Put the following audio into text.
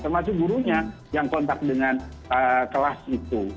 termasuk gurunya yang kontak dengan kelas itu